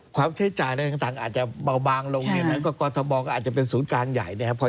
ความใช้จ่ายอาจจะเบาบางลงก็ความทรมานอาจจะเป็นศูนย์การใหญ่